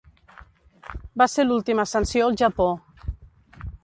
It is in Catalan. Va ser l'última sanció al Japó.